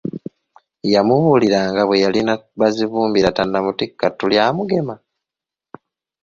Yamubuuliranga bwe yalina Bazibumbira tannamutikka ttu lya Mugema?